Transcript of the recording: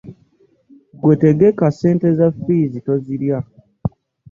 Gwe tegeka ssente za fiizi tozirya.